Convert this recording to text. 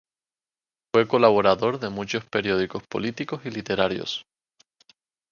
Fue colaborador de muchos periódicos políticos y literarios.